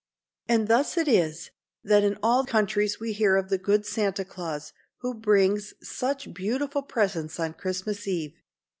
And thus it is that in all countries we hear of the good Santa Claus, who brings such beautiful presents on Christmas eve.